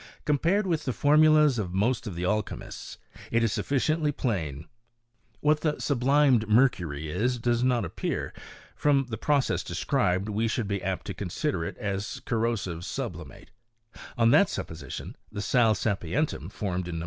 Compared with the formulas of most of the alchymists, it is sufficiently plain. What the sublimed mercury is does not appear ; from the process described we should be apt to consider it as corrosive sublimate ; on that supposition, the sal Bapientum formed in No.